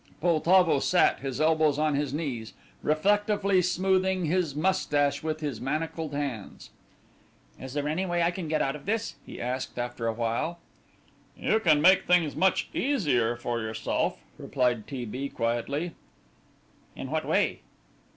Poltavo sat, his elbows on his knees, reflectively smoothing his moustache with his manacled hands. "Is there any way I can get out of this?" he asked, after a while. "You can make things much easier for yourself," replied T. B. quietly. "In what way?"